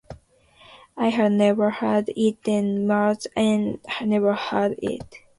I had never heard it and Merle had never heard it.